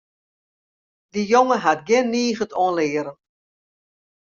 Dy jonge hat gjin niget oan learen.